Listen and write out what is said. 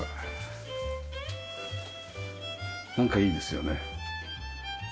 なんかいいですよね。